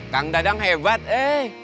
kang dadang hebat eh